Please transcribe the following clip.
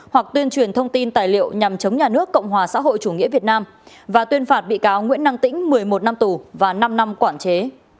hoặc tuyên truyền thông tin tài liệu nhằm chống nhà nước cộng hòa xã hội chủ nghĩa việt nam và tuyên phạt bị cáo nguyễn năng tĩnh một mươi một năm tù và năm năm quản chế